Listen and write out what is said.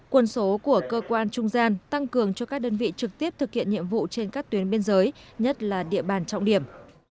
quân số của cơ quan trung gian tăng cường cho các đơn vị trực tiếp thực hiện nhiệm vụ trên các tuyến biên giới nhất là địa bàn trọng điểm